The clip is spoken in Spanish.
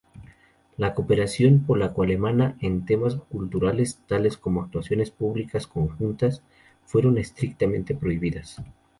La cooperación polaco-alemana en temas culturales, tales como actuaciones públicas conjuntas, fueron estrictamente prohibidas.